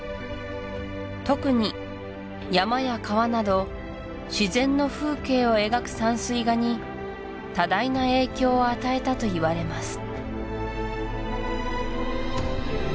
特に山や川など自然の風景を描く山水画に多大な影響を与えたといわれます